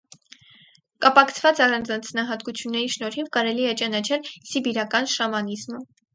Կապակցված առանձնահատկությունների շնորհիվ կարելի է ճանաչել սիբիրական շամանիզմը։